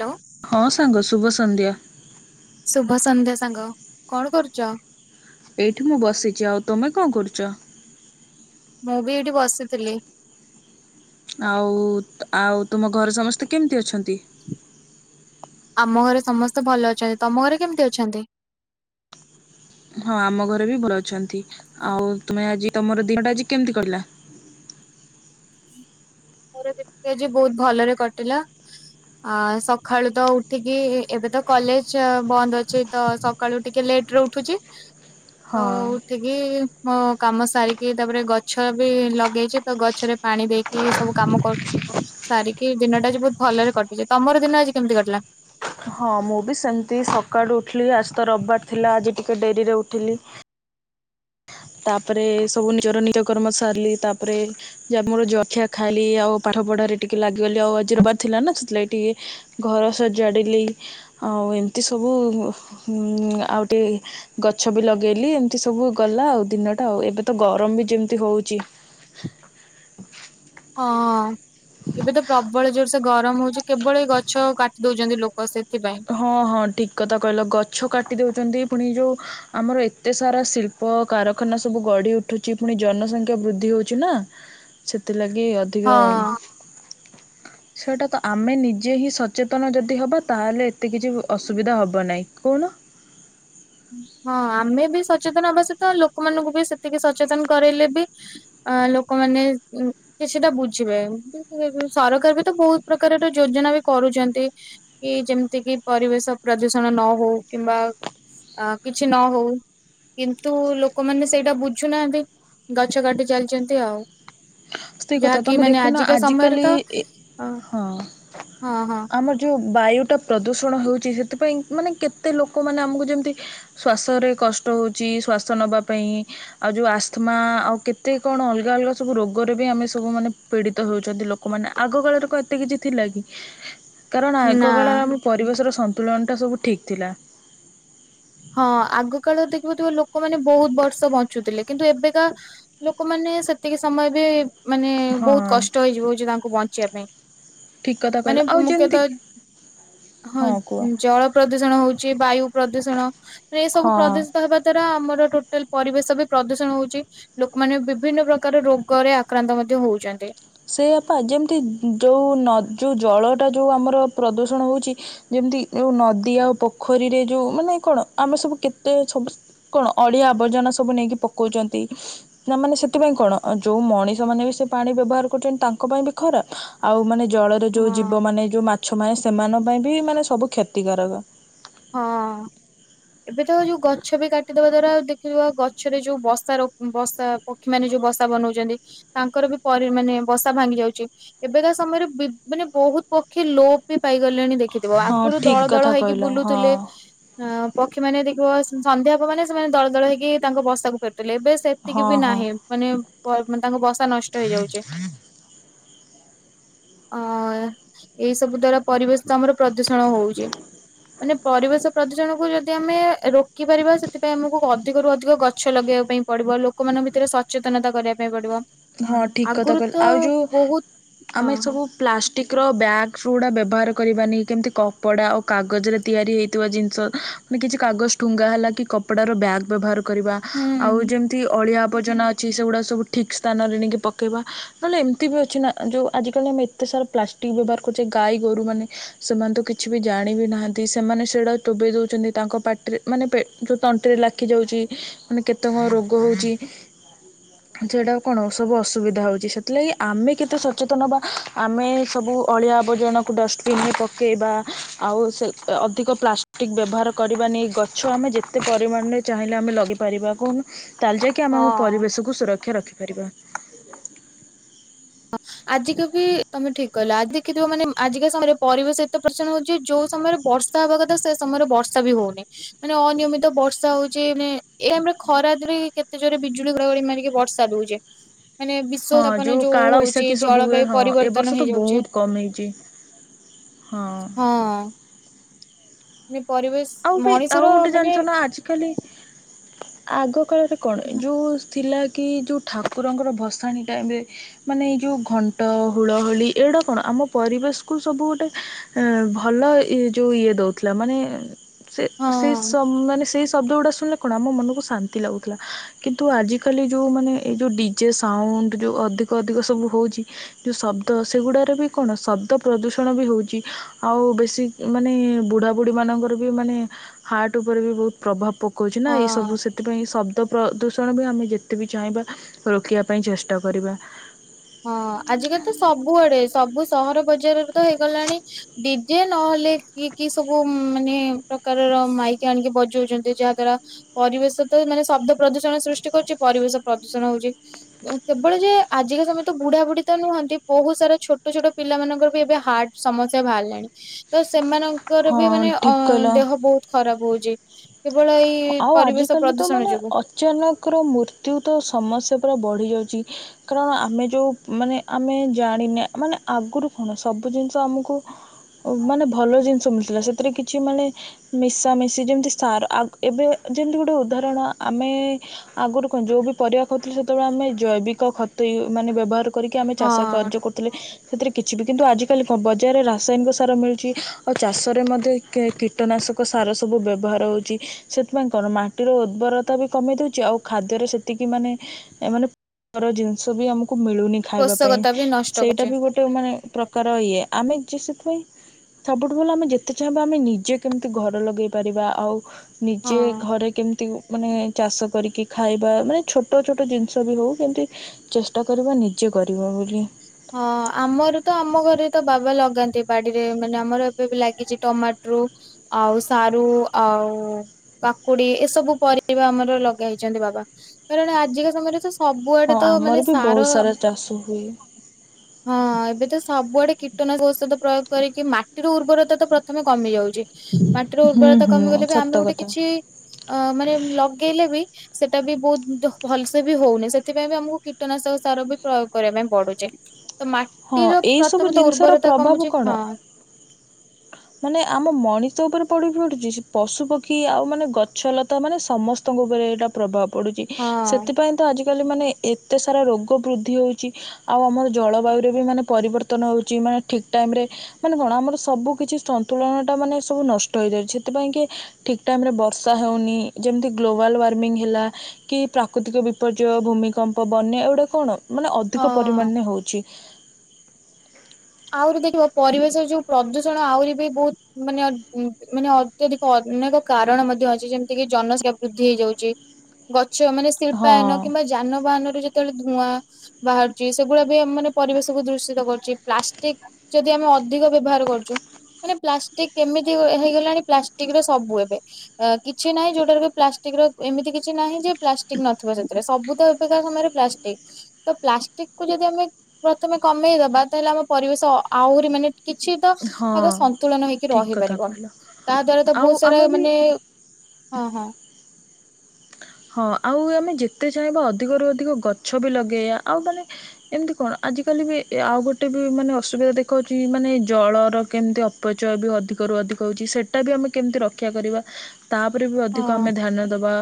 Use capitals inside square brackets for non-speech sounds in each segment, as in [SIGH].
Hello ହଁ ସାଙ୍ଗ ଶୁଭ ସନ୍ଧ୍ୟା। ଶୁଭ ସନ୍ଧ୍ୟା ସାଙ୍ଗ, କଣ କରୁଛ? ଏଇଠି ମୁଁ ବସିଛି ଆଉ ତୁମେ କଣ କରୁଛ? ମୁଁ ବି ଏଇଠି ବସିଥିଲି। ଆଉ, ଆଉ ତୁମ ଘରେ ସମସ୍ତେ କେମିତି ଅଛନ୍ତି? ଆମ ଘରେ ସମସ୍ତେ ଭଲ ଅଛନ୍ତି, ତମ ଘରେ କେମିତି ଅଛନ୍ତି? ହଁ ଆମ ଘରେ ବି ଭଲ ଅଛନ୍ତି, ଆଉ ତୁମେ ଆଜି ତମର ଦିନଟା ଆଜି କେମିତି କଟିଲା? ମୋର ଦିନ ଆଜି ବହୁତ ଭଲରେ କଟିଲା। ଆ ସକାଳୁ ତ ଉଠିକି ଏବେ ତ କଲେଜ ବନ୍ଦ ଅଛି ତ ସ ସକାଳୁ ଟିକେ ଲେଟରେ ଉଠୁଛି, ତ ହଁ ଉଠି ଉଠିକି ମୋ କାମ ସାରିକି ତାପରେ ଗଛବି ଲଗେଇଛି ତ ଗଛରେ ପାଣି ପାଣି ଦେଇକି ସବୁ କାମ କରୁ ସାରିକି ଦିନଟା ଆଜି ବହୁତ ଭଲରେ କଟିଛି, ତମର ଦିନ ଆଜି କେମିତି କଟିଲା? ହଁ ମୁଁ ବି ସେମିତି ସକାଳୁ ଉଠିଲି ଆଜି ତ ରବିବାର ଥିଲା, ଆଜି ଟିକେ ଡେରିରେ ଉଠିଲି। ତାପରେ ସବୁ ନିଜର ନିତ୍ୟ କର୍ମ ସାରିଲି, ତାପରେ ଯାହା ମୋର ଜଳଖିଆ ଖାଇଲି, ଆଉ ପାଠ ପଢାରେ ଟିକେ ଲାଗଗଲି, ଆଉ ଆଜିରବିବାର ଥିଲା ନା ସେଥିଲାଗି ଟିକେ ଘର ସଜାଡ଼ିଲି ଆଉ ଏମିତି ସବୁ ଆଉଟିକେ ଗଛ ବି ଲଗେଇଲି ଏମିତି ସବୁ ଗଲା ଆଉ ଦିନଟା ଆଉ ଏବେ ତ ଗରମ ବି ଯେମିତି ହଉଛି। ହଁ, ଏବେ ତ ପ୍ରବଳ ଜୋରସେ ଗରମ ହଉଛି କେବଳ ଏ ଗଛ କାଟି ଦଉଛନ୍ତି ଲୋକ ସେଥିପାଇଁ। ହଁ ହଁ ଠିକ୍ କଥା କହିଲ ଗଛ କାଟି ଦଉଛନ୍ତି ପୁଣି ଯୋଉ ଆମର ଏତେ ସାରା ଶିଳ୍ପ ଶିଳ୍ପ କାରଖାନା ସବୁ ଗଡ଼ି ଉଠୁଛି ପୁଣି ଜନସଂଖ୍ୟା ବୃଦ୍ଧି ହଉଛି ନା ସେଥିଲାଗି ଅ ଅଧିକ ହଁ ସେଇଟା ତ ଆମେ ନିଜେ ହିଁ ସଚେତନ ଯଦି ହବା ତାହେଲେ ଏତେ କିଛି ଅସୁବିଧା ହବ ନାହିଁ କହୁନ? ହଁ ଆମେ ବି ସଚେତନ ହବା ସହିତ ଲୋକମାନଙ୍କୁ ବି ସେତିକି ସଚେତନ କରେଇଲେ ବି ଆ ଲୋକମାନେ କିଛିଟା ବୁଝିବେ ସରକାରବି ତ ବହୁତ ପ୍ରକାରର ଯୋଜନା ବି କରୁଛନ୍ତି। ଏ ଯେମିତି କି ପରିବେଶ ପ୍ରଦୂଷଣ ନ ହଉ କିମ୍ବା ଆ କିଛି ନ ହଉ। କିନ୍ତୁ ଲୋକମାନେ ସେଇଟା ବୁଝୁନାହାନ୍ତି, ଗଛ କାଟି ଚାଲିଛନ୍ତି ଆଉ। ସେଇ କଥା ଯାହାକି ତମେ ମାନେ ଦେଖୁନ ଆଜିକା ସମୟରେ ଆଜିକାଲି ତ ଏ ଅ। ହଁ। ହଁ, ହଁ ଆମର ଯୋଉ ବାୟୁଟା ପ୍ରଦୂଷଣ ହେଉଛି, ସେଥିପାଇଁ ମାନେ କେତେ ଲୋକମାନେ ଆମକୁ ଯେମିତି। ଶ୍ଵାସରେ କଷ୍ଟ ହଉଛି, ଶ୍ଵାସ ନବା ପାଇଁ ଆଉ ଯୋଉ ଆସ୍ଥମା ଆଉ କେତେ କଣ ଅଲଗା ଅଲଗା ସବୁ ରୋଗରେ ଆମେ ସବୁ ମାନେ ପୀଡିତ ହଉଛନ୍ତି, ଲୋକମାନେ ଆଗ କାଳରେ କଣ ଏତେ କିଛି ଥିଲା କି? କାରଣ ନା ଆଗକାଳରେ ଆମ ପରିବେଶର ସନ୍ତୁଳନଟା ସବୁ ଠିକ୍ ଥିଲା। ହଁ ଆଗ କାଳ ଦେଖିଥିବ ଲୋକମାନେ ବହୁତ ବର୍ଷ ବଞ୍ଚୁଥିଲେ, କିନ୍ତୁ ଏବେକା ଲୋକମାନେ ସେତିକି ସମୟ ବି ମାନେ ହଁ ବହୁତ କଷ୍ଟ ହେଇଯିବ ହଉଛି ତାଙ୍କୁ ବଞ୍ଚିବା ପାଇଁ। ଠିକ୍ କଥା କହିଲ ମାନେ ଆଉ ଯେମିତି ମୁଖ୍ୟତଃ, ହଁ ଜଳ ପ୍ରଦୂଷଣ ହଉଛି, ବାୟୁ ପ୍ରଦୂଷଣ, ଏ ସବୁ ହଁ ପ୍ରଦୂଷଣ ହେବା ଦ୍ଵାରା ଆମର ଟୋଟାଲ ପରିବେଶ ବି ପ୍ରଦୂଷଣ ହଉଛି। ଲୋକମାନେ ବିଭିନ୍ନ ପ୍ରକାର ରୋଗରେ ଆକ୍ରାନ୍ତ ମଧ୍ୟ ହଉଚନ୍ତି। ସେଇଆପା ଯେମିତି ଯୋଉ ନ ଯୋଉ ଜଳଟା ଯୋଉ ଆମର ପ୍ରଦୂଷଣ ହଉଚି ଯେମିତି ଯଉ ନଦୀ ଆଉ ପୋଖରୀରେ ଯୋଉ ମାନେ କଣ ଆମେ ସବୁ କେତେ ସବୁ କଣ ଅଳିଆ ଆବର୍ଜନା ସବୁ ନେଇକି ପକଉଚନ୍ତି। ନା ମାନେ ସେଥିପାଇଁ କଣ? ଯୋଉ ମଣିଷ ମାନେ ବି ସେ ପାଣି ବ୍ୟବହାର କରୁଚନ୍, ତାଙ୍କ ପାଇଁ ବି ଖରାପ ଆଉ ମାନେ ଜଳରେ ଯୋଉ ହଁ। ଜୀବ ମାନେ ଯୋଉ ମା ଛ ମାନେ ସେମାନଙ୍କ ପାଇଁ ବି ମାନେ ସବୁ କ୍ଷତିକାରକ। ହଁ। ଏବେ ତ ଯୋଉ ଗଛ ବି କାଟିଦବା ଦ୍ଵାରା ଦେଖୁଥିବ ଗଛରେ ଯୋଉ ବସାର ବସା ପକ୍ଷୀ ମାନେ ଯୋଉ ବସା ବନଉଚନ୍ତି, ତାଙ୍କର ବି ପରି ମାନେ ବସା ଭାଙ୍ଗି ଯାଉଚି। ଏବେକା ସମୟରେ ବି ମାନେ ବହୁତ ପକ୍ଷୀ ଲୋପ୍ ବି ପାଇଗଲେଣି ଦେଖ୍ ଖିଥିବ, ହଁ ଆଗରୁ ଠିକ ଦଳ ଦଳ କଥା ହେଇକି କହିଲ ବୁଲୁ ହଁ ହଁ ପକ୍ଷୀ ମାନେ ଦେଖିବ, ସନ୍ଧ୍ୟା ହବ ମାନେ, ସେମାନେ ଦଳ ଦଳ ହେଇକି ତାଙ୍କ ବସାକୁ ଫେରୁଥିଲେ। ଏବେସ୍ ସେତିକି ହଁ ବି ହଁ ନାହିଁ, ମାନେ ପ ମାନେ ତାଙ୍କ ବସା ନଷ୍ଟ ହେଇଯାଉଚି। ଅ-ଅ ଏଇ ସବୁ ଦ୍ଵାରା ପରିବେଶ ତ ଆମର ପ୍ରଦୂଷଣ ହଉଚି। ମାନେ ପରିବେଶ ପ୍ରଦୂଷଣକୁୁ ଯଦି ଆମେ-ଏ ରୋକି ପାରିବା ସେଥିପାଇଁ ଆମକୁ ଅଧିକରୁ ଅଧିକ ଗଛ ଲଗେଇବା ପାଇଁ ପଡିବ। ଲୋକମାନଙ୍କ ଭିତରେ ସ୍ ଚେତନତା କରିବା ପାଇଁ ପଡିବ। ହଁ, ଠିକ୍ କଥା ଆଗରୁ ତ କହିଲ। ଆଉ ଯଉ, ବହୁତ ହଁ ଆମେ ହଁ ସବୁ ପ୍ଲାଷ୍ଟିକ ର ବ୍ୟାଗ୍ ସ୍ ଗୁଡ଼ା ବ୍ୟବହାର କରିବା ନେଇ, କେମିତି କପଡ଼ା ଆଉ କାଗଜରେ ତିଆରି ହେଇଥିବା ଜିନିଷ ନେ କିଛି କାଗଜ ଠୁଙ୍ଗା ହେଲା କି, କପଡା ର ବ୍ୟାଗ୍ ବ୍ୟବହାର କରିବା। ଆଉ ହୁଁ ଯେମତି ଅଳିଆ ଆବର୍ଜନା ଅଛି, ସେଗୁଡା ସବୁ ଠିକ୍ ସ୍ ସ୍ଥାନରେ ନେଇକି ପକେଇବା। ନହେଲେ ଏମିତି ବି ଅଛି ନା, ଯଉ ଆଜିକାଲି ଆମେ ଏତେ ସାରା ପ୍ଲାଷ୍ଟିକ୍ ବ୍ୟବହାର କୋଚେ ଗାଈ ଗୋରୁ ମାନେ ସେମାନେ ତ କିଛି ବି ଜାଣି ବି ନାହାଁନ୍ତି? ସେମାନେ ସେଇଡା ଟୋବେଇ ଦଉଛନ୍ତି, ତାଙ୍କ ପାଟିରେ ମାନେ ପେ ଯଉ ତଣ୍ଟିରେ ଲାଖି ଯାଉଛି। ମାନେ କେତେ କଣ ରୋଗ ହଉଚି? ଯେଡଉ କଣ ସବୁ ଅସୁବିଧା ହଉଚି! ସେଥିଲାଗି ଆମେ କେତେ ସଚେତନ ହବା, ଆମେ ସବୁ ଅଳିଆ ଆବର୍ଜନାକୁ ଡଷ୍ଟ ବିନି ପକେଇବା। ଆଉ ସେ ଅଧିକ ପ୍ଲାଷ୍ଟିକ୍ ବ୍ୟବହାର କରିବା ନେଇି ଗଛ ଆମେ ଯେତ୍ ତେ ପରିମାଣରେ ଚାହିଁଲେ ଆମେ ଲଗିପାରିବା, କହୁନ! ତାଆଲ୍ ଯାଇକି ଆମେ ଆମ ହଁ ପରିବେଶକୁୁ ସୁରକ୍ଷା ରଖିପାରିବା। ହଁ ଆଜିକା ବି ତମେ ଠିକ୍ କହିଲ। ଆଜି ଦେଖିଥିବ ମାନେ ଆଜିକା ସମୟରେ ପରିବେଶ ଏତେ ପ [UNINTELLIGIBLE] ଯୋଉ ସମୟରେ ବର୍ଷ ର୍ଷା ହବା କଥା, ସେ ସମୟରେ ବର୍ଷା ବି ହଉନି! ମାନେ ଅନିୟମିତ ବର୍ଷା ହଉଚି ମାନେ, ଏ ଆମର ଖରାଦ୍ରେ କେତେ ଜୋରରେ ବିଜୁଳି ଘଡ଼ଘଡ଼ି ମାରିକି ବର୍ଷା ଦଉଚି। ମାନେ ବିଶ୍ୱ ହଁ ଯୋଉ [UNINTELLIGIBLE] କାଳବୈଶାଖୀ ସବୁ ହୁଏ, ହଁ। ଏ ବର୍ଷ ତ ହେଇଯାଉଛି ବହୁତ କମ୍ ହେଇଚି, ହଁ। ହଁ। ନେ ପରିବା ଆଉ ବି ଆଉ ଗୋଟେ ଜାଣିଛ ନା ଆଜିକାଲି, ଆଗ କାଳରେ କଣ! ହଁ ଯୋଉ-ଉସ୍ ଥିଲା କି ଯଉ ଠାକୁରଙ୍କର ଭସାଣି ଟାଇମ୍ ରେ ମାନେ ଏଇ ଯୋଉ ଘଣ୍ଟ, ହୁଳହୁଳି ଏଇଡା କଣ? ଆମ ପରିବେଶ କୁ ସବୁ ଗୋଟେ ଏଁ ଭଲ ଇ ଯୋଉ ଇଏ ଦଉଥିଲା ମାନେ-ଏ ସେ-ସେ ସ ମାନେ ସେଇ ଶବ୍ଦ ଗୁଡା ଶୁଣିଲେ କଣ? ଆମ ମନକୁ ଶାନ୍ତି ଲାଗୁଥିଲା। କିନ୍ତୁ ଆଜିକାଲି ଯଉ ମାନେ ଏଇ ଯଉ ଡିଜେ ସାଉଣ୍ଡ୍, ଯଉ ଅଧିକ ଅଧିକ ସବୁ ହଉଚି ଯୋଉ ଶବ୍ଦ ସେଗୁଡାରେ ବି କଣ ଶବ୍ଦ ପ୍ରଦୂଷଣ ବି ହେଉଚି। ଆଉ ବେଶୀ ମାନେ ବୁଢା ବୁଢୀ ମାନଙ୍କ ର ବି ମାନେ ହାର୍ଟ ଉପରେ ବି ବହୁତ ପ୍ରଭାବ ପକଉଛି ନା ଏଇ ହଁ ସବୁ ସେ ସେଥିପାଇଁ ଶବ୍ଦ ପ୍ରଦୂଷଣ ବି ଆମେ ଯେତେ ବିି ଚାହିଁବା ରୋକିବା ପାଇଁ ଚେଷ୍ଟା କରିବା ହଁ ଆଜିକାଲି ତ ସବୁଆଡେ ସବୁ ସହର ବଜାରରୁ ତ ହେଇଗଲାଣି ଡିଜେ ନହଲେ କି କି ସବୁ ମାନେ ପ୍ରକାରର ମାଇକି ଆଣିକି ବଜଉଛନ୍ତି ଯାହା ଦ୍ଵାରା ପରିବେଶ ତ ମାନେ ଶବ୍ଦ ପ୍ରଦୂଷଣ ସୃଷ୍ଟି କରଚି ପରିବେଶ ପ୍ରଦୂଷଣ ହଉଛି। କେବଳ ଯେ ଆଜିକା ସମୟରେ ତ ବୁଢା ବୁଢୀ ତ ନୁହଁନ୍ତି ବହୁତ୍ ସାରା ଛୋଟ ଛୋଟ ପିଲା ମାନଙ୍କର ବି ଏବେ ହାର୍ଟ ସମସ୍ୟା ବାହାରଲାଣି ତ ସେମାନଙ୍କର ହଁ ବି ମାନେ ଅ ଠିକ୍ କହିଲ ଦେହ ବହୁତ୍ ଖରାପ ହୋଉଚି କେବଳ ଏଇ ପରିବେଶ ପ୍ରଦୂଷଣ ଯୋଗୁ ଜନକର ମୃତ୍ୟୁ ତ ସମସ୍ୟା ପୁରା ବଢିଯାଉଛି କାରଣ ଆମେ ଯୋଉ ମାନେ ଆମେ ଜାଣିନେ ମାନେ ଆଗୁରୁ କଣ ସବୁ ଜିନିଷ ଆମକୁ ମାନେ ଭଲ ଜିନିଷ ମିଳିଥିଲା ସେଥିରେ କିଛି ମାନେ ମିଶାମିଶି ଯେମିତି ସାର ଆଗ ଏବେ ଯେମିତି ଗୋଟେ ଉଦାହରଣ ଆମେ ଆଗରୁ କଣ ଯୋଉ ବି ପରିବା ଖାଉଥିଲେ ସେତେବେଳେ ଆମେ ଜୈବିକ ଖତ ୟୁ ମାନେ ବ୍ୟବହାର କରିକି ଆମେ ଚାଷ ହଁ କାର୍ଯ୍ୟ କରୁଥିଲେ ସେଥିରେ କିଛି ବି କିନ୍ତୁ ଆଜିକାଲି କଣ ବଜାରରେ ରାସାୟନିକ ସାର ମିଳୁଛି ଆଉ ଚାଷରେ ମଧ୍ୟ କେ କୀ ଟନାଶକ ସାର ସବୁ ବ୍ୟବହାର ହଉଚି ସେଥିପାଇଁ କଣ ମାଟିର ଉର୍ବରତା ବି କମେଇ ଦଉଛି ଆଉ ଖାଦ୍ୟରେ ସେତିକି ମାନେ ଏ ମାନେ ର ଜିନିଷ ବି ଆମୁକୁ ମିଳୁନି ଖାଇବା ପାଇଁ ପୋଷକତା ବି ନଷ୍ଟ ସେଇଟା କରୁଚେ ବି ଗୋଟେ ଯୋଉ ମାନେ ପ୍ରକାର ଇଏ ଆମେ ଯେ ସେଥିପାଇଁ ସବୁଠୁ ଭଲ ଆମେ ଯେତେ ଚାହିଁବା ଆମେ ନିଜେ କେମତି ଘର ଲଗେଇ ପାରିବା ଆଉ ହଁ। ନିଜେ ଘରେ କେମତି ମାନେ ଚାଷ କରିକି ଖାଇବା ମାନେ ଛୋଟ ଛୋଟ ଜିନିଷ ବି ହଉ କେମିତି ଚେଷ୍ଟା କରିବା ନିଜେ କରିବା ବୋଲି ହଁ ଆମର ତ ଆମ ଘରେ ତ ବାବା ଲଗାନ୍ତି ବାଡିରେ ମାନେ ଆମର ଏବେ ବି ଲାଗିଚି ଟମାଟୋରୁ ଆଉ ସାରୁ ଆଉ କାକୁଡି ଏସବୁ ପରିବା ଆମର ଲଗେଇଛନ୍ତି ବାବା କାରଣ ଆଜିକା ସମୟରେ ସେ ସବୁଆଡେ ତ ମାନେ ସାର ଆଆସୁ ହୁଏ ହଁ ଏବେ ତ ସବୁଆଡେ କୀଟନାଶ ଔଷଧ ପ୍ରୟୋଗ କରିକି ମାଟିର ଉର୍ବରତା ତ ପ୍ରଥମେ କମି ଯାଉ ଛି ମାଟିର ହୁଁ ଉର୍ବରତା ହୁଁ କମିଗଲେ ବି ଆମେ ସତ ଗୋଟେ କଥା। କିଛି ଅ ମାନେ ଲଗେଇଲେ ବି ସେଟା ବି ବହୁତ୍ ଧ ଭଲସେ ବି ହଉନି ସେଥିପାଇଁ ବି ଆମକୁ କୀଟନାଶକ ସାର ବି ପ୍ରୟୋଗ କରିବା ପାଇଁ ପଡୁଛି ତ ହଁ ମାଟିର ଏଇ ସବୁ ପ୍ରଥମେ ତ ଜିନିଷର ଉର୍ବରତା ପ୍ରଭାବ କମୁଛି କଣ ହଁ ମାନେ ଆମ ମଣିଷ ଉପରେ ପଡୁଛି ପଡୁଛି ସେ ପଶୁପକ୍ଷୀ ଆଉ ମାନେ ଗଛ ଲତା ତ ମାନେ ସମସ୍ତଙ୍କ ଉପରେ ଏଇଟା ପ୍ରଭାବ ପଡୁଚି ହଁ ସେଥିପାଇଁ ତ ଆଜିକାଲି ମାନେ ଏତେ ସାରା ରୋଗ ବୃଦ୍ଧି ହୋଉଛି ଆଉ ଆମର ଜଳବାୟୁରେ ବି ମାନେ ପରିବର୍ତ୍ତନ ହଉଛି ମା ଠିକ୍ ଟାଇମ୍ ରେ ମାନେ କଣ ଆମର ସବୁ କିଛି ସନ୍ତୁଳନଟା ମାନେ ସବୁ ନଷ୍ଟ ହେଇଯାଉଛି ସେଥିପାଇଁ କି ଠିକ୍ ଟାଇମ୍ ରେ ବର୍ଷା ହଉନି ଯେମିତି ଗ୍ଲୋବାଲ୍ ୱାର୍ମିଂ ହେଲା କି ପ୍ରାକୃତିକ ବିପର୍ଯ୍ୟୟ ଭୂମିକମ୍ପ ବନ୍ୟା ଏଗୁଡା କଣ ମାନେ ଅଧିକ ହଁ। ପରିମାନେ ହଉଛି ଆହୁରି ଦେଖିବ ପରିବେଶ ଯୋଉ ପ୍ରଦୂଷଣ ଆହୁରି ବି ବୋହୁତ୍ ମାନେ ଅ ମାନେ ଅତ୍ୟଧିକ ଅନେକ କାରଣ ମଧ୍ୟ ଅଛି ଯେମିତି କିି ଜନସଂଖ୍ୟା ବୃଦ୍ଧି ହେଇଯାଉଛି ଗଛ ମାନେ ହଁ ଶିଳ୍ପାୟନ କିମ୍ବା ଜ ଯାନବାହାନରୁ ଯେତେବେଳେ ଧୂଆଁ ବାହାରୁଚି ସେଗୁଡା ବି ମାନେ ପରିବେଶକୁୁ ଦୂଷିତ କରୁଚି ପ୍ଲା ଷ୍ଟିକ ଯଦି ଆମେ ଅଧିକ ବ୍ୟବହାର କରୁଛୁ ମାନେ ପ୍ଲାଷ୍ଟିକ କେମିତି ହେଇଗଲାଣି ପ୍ଲାଷ୍ଟିକ ର ସବୁ ଏବେ। ଏ କିଛି ନାହିଁ ଯୋଉଟାରୁ କି ପ୍ଲାଷ୍ଟିକ ର ଏମିତି କିଛି ନାହିଁ ଯେ ପ୍ଲାଷ୍ଟିକ ନଥିବ ସେଥିରେ ସବୁ ତ ଅ ଏବେକା ସମୟରେ ପ୍ଲାଷ୍ଟିକ ତ ପ୍ଲାଷ୍ଟିକକୁୁ ଯଦି ଆମେ ପ୍ରଥମେ କମେଇଦବା ତାହେଲେ ଆମ ପରିବେଶ ଆହୁରି ମାନେ କିଛି ତ ହଁ ଆଗ ସନ୍ତୁଳନ ହେଇକି ଠିକ କଥା ରହିପାରିବ। କହିଲ ତା ଦ୍ଵାରା ତ ଆଉ ବହୁତ ସାରା ଆମେ ବି ମାନେ, ହଁ ହଁ। ହଁ ଆଉ ଆମେ ଯେତେ ଚାହିଁବା ଅଧିକରୁ ଅଧିକ ଗଛ ବି ଲଗେଇବା ଆଉ ମାନେ ଏମିତି କଣ ଆଜି କାଲି ବି ଆଉ ଗୋଟେ ବି ମାନେ ଅସୁବିଧା ଦେଖଉଚି ମାନେ ଜଳର କେମିତି ଅପ୍ ପଚୟ ବି ଅଧିକରୁ ଅଧିକ ହଉଚି ସେଇଟା ବି ଆମେ କେମିତି ରକ୍ଷା କରିବା ତାପରେ ବି ଅଧିକ ଆମେ ହଁ ଧ୍ୟାନ ଦବା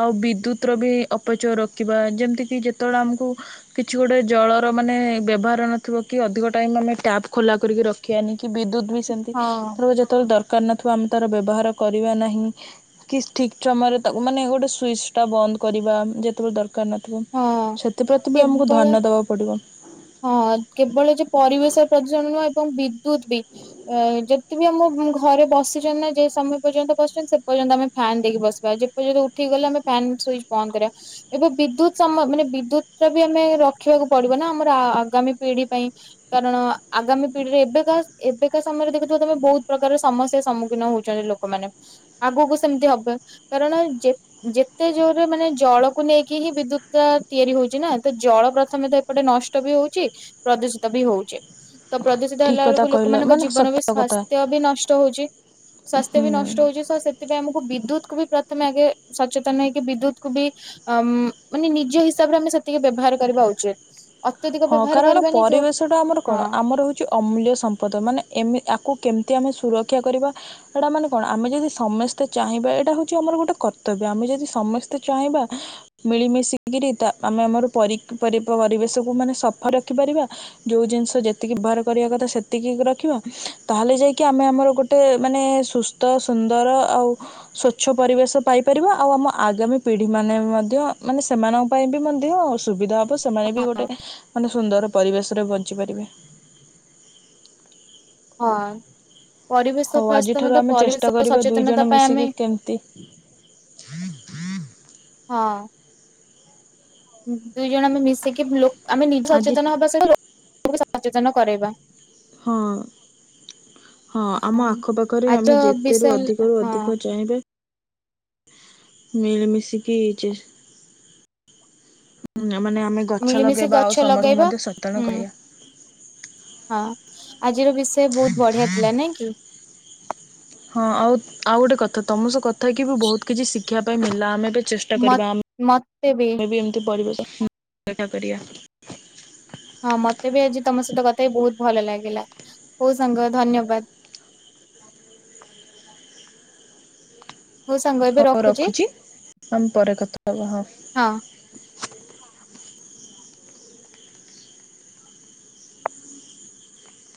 ଆଉ ବିଦ୍ୟୁତର ବି ଅପଚୟ ରୋକିବା ଯେମିତିକି ଯେତେବେଳେ ଆମକୁ କିଛି ଗୋଟେ ଜଳର ମାନେ ବ୍ୟବହାର ନଥିବ କି ଅଧିକ ଟାଇମ୍ ଆମେ ଟ୍ୟାପ୍ ଖୋଲା କରିକି ରଖିବାନି କି ବିଦ୍ୟୁତ୍ ବି ସେମିତି ହଁ ଏଥରକ ଯେତେବେଳେ ଦର୍ ନଥିବ ଆମେ ତାର ବ୍ୟବହାର କରିବା ନାହିଁ କି ଠିକ୍ ଟ୍ରମା ରେ ତାକୁ ମାନେ ଗଟେ ସ୍ ସୁଇଚ୍ଟା ବନ୍ଦ କରିବା ଯେତେବେଳେ ଦରକାର ନଥିବ ହଁ ସେଥିପ୍ରତି ବି ଆମକୁ କେବଳ ଧ୍ୟନ୍ୟ ଦେବାକୁ ପଡ଼ିବ। ହଁ କେବଳ ଯେ ପରିବେଶ ପ୍ରଦୂଷଣ ନୁହଁ ଏବଂ ବିଦ୍ୟୁତତ୍ ବି ଏ ଯ ଯେ ବି ଆମ ଘରେ ବସିଛନ୍ତି ନା ଯେ ସମୟ ପର୍ଯ୍ୟନ୍ତ ବସିଛନ୍ତି ସେ ପର୍ଯ୍ୟନ୍ତ ଆମେ ଫ୍ୟାନ୍ ଦେଇକି ବସିବା ପା ଯେ ଯଦି ଉଠି ଗଲେ ଆମେ ଫ୍ୟାନ ସୁଇଚ୍ ବନ୍ଦ କରିବା। ଏବେ ବିଦ୍ୟୁତ ସମ ମାନେ ବିଦ୍ୟୁତ ର ବି ଆମେ ରଖିବାକୁ ପଡିବ ନା ଆମର ଆ-ଆଗାମୀ ପିଢି ପାଇଁ କାରଣ ଆଗାମୀ ପିଢିରେ ଏବେକା ଏବେକା ସମୟରେ ଦେଖୁିବ ତମେ ବହୁତ ପ୍ରକାର ସମସ୍ୟା ସମ୍ମୁଖୀନ ହଉଚନ୍ତି ଲୋକ ମାନେ ଆଗକୁ ସେମିତି ହବ କାରଣ ଯେ ଯେତେ ଜୋରରେ ମାନେ ଜଳକୁ ନେଇକି ହିଁ ବିଦ୍ୟୁତ୍ ଟା ନେଇକି ତିଆରି ହଉଛି ନା ତ ଜଳ ପ୍ରଥମେ ତ ନଷ୍ ତ ବି ହଉଛି ପ୍ରଦୂଷିତ ବି ହଉଚି। ତ ପ୍ରଦୂଷିତ ଠିକ୍ ହେଲା କଥା ବେଳକୁ କହିଲ ଲୋକମାନଙ୍କ ମାନେ ଜୀବନ ସତ ବି କଥା ସ୍ଵାସ୍ଥ ବି ନଷ୍ଟ ହଉଚି। ସ୍ୱାସ୍ଥ୍ୟ ବି ନଷ୍ଟ ହୁଁ। ହଉଚି ସ ସେ ସେଥିପାଇଁ ଆମକୁ ବିଦ୍ୟୁତ୍ କୁ ବି ପ୍ରଥମେ ଆଗେ ସଚେତନ ହେଇକି ବିଦ୍ୟୁତ୍ କୁ ବି ଅମ୍ ମାନେ ନିଜ ହିସାବରେ ଆମେ ସେତିକି ବ୍ୟବହାର କରିବା ଉଚିତ୍। ହଁ କାରଣ ପରିବେଶ ଟା ଆମର ହଁ କଣ ଆମର ହଉ କି ଅମୂଲ୍ୟ ସମ୍ପଦ ମାନେ ଏମି ଆକୁ କେମିତି ଆମେ ସୁରକ୍ଷା କରିବା ଏଇଟା ମାନେ କଣ ଆମେ ଯଦି ସମସ୍ତେ ଚାହିଁବା ଏଇଟା ହଉଚି ଆମର ଗୋଟେ କର୍ତ୍ତବ୍ୟ ଆମେ ଯଦି ସମସ୍ତେ ଚାହିଁବା ମିଳିମିଶିକରି ଦା ଆମେ ଆମର ପରିକ୍- ପରିବେଶକୁ ମାନେ ସଫା ରଖିପାରିବା ଯୋଉ ଜିନିଷ ଯେତିକି ବ୍ୟବହାର କରିବା କଥା ସେତିକି ରଖିବା ତାହେଲେ ଯାଇକି ଆମେ ଆମର ଗୋଟ ଟେ ମାନେ ସୁସ୍ଥ ସୁନ୍ଦର ଆଉ ସ୍ଵଚ୍ଛ ପରିବେଶ ପାଇପାରିବ ଆଉ ଆମ ଆଗାମୀ ପିଢି ମାନେ ମଧ୍ୟ ମାନେ ସେମାନଙ୍କ ପାଇଁ ବି ମଧ୍ୟ ସୁବିଧା ହବ ସେମାନେ ବି ହଁ ଗୋଟେ ମାନେ ସୁନ୍ଦର ପରିବେଶ ରେ ବଞ୍ଚି ପାରିବେ। ହଁ ପରିବେଶ ହଉ ଫାଷ୍ଟ୍ ତମେ ଆଜିଠାରୁ ତ ପରିବେଶ ସଚେତନତା ପାଇଁ ଆମେ ତି ହଁ। ଦୁଇ ଜଣ ଆମେ ମିଶିକି ଆମେ ନିଜ ଆଜି ସଚେତନ ହବା ସହ ଲୋକଙ୍କୁ ସଚେତନ କରାଇବା। ହଁ। ହଁ ଆମ ଆଖପାଖରେ ଆଜ ଆମେ ବିଷୟ ଯେତେରୁ ଅଧିକରୁୁ ହଁ ଅଧିକ ଚାହିଁବେ ମିଳିମିଶିକି ଚେସ୍- ନା ମାନେ ଆମେ ଗଛ ମିଳିମିଶି ଲଗେଇବା ଗଛ ଆଉ ସମତ କୁ ଲଗେଇବା ମଧ୍ୟ ସତନ ହୁଁ। କରିବା। ହଁ ଆଜିର ବିଷୟ ବହୁତ ବଢିଆ ଥିଲା ନାଇଁ କି? ହଁ ଆଉ ଆଉ ଗୋଟେ କଥା ତମ ସହ କଥା ହେଇ କି ବି ବହୁତ କିଛି ଶିଖିବା ପାଇଁ ମିଳିଲା ଆମେ ବି ଚେଷ୍ ଟା ମ କରିବା ଆମେ ବି ଏମତି ପରିବେଶ ରକ୍ଷା କରିବା ହଁ ମତେ ବି ଆଜି ତମ ସହିତ କଥା ହେଇ ବହୁତ ଭଲ ଲାଗିଲା ହଉ ସାଙ୍ଗ ଧନ୍ୟବାଦ। ହଉ ସାଙ୍ଗ ଏବେ ହଉ ରଖୁଛି ଆମେ ପରେ କଥା ହବା ହଁ। ହଁ।